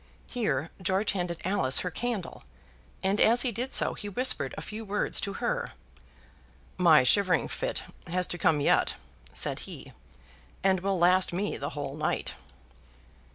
Here George handed Alice her candle, and as he did so he whispered a few words to her. "My shivering fit has to come yet," said he, "and will last me the whole night."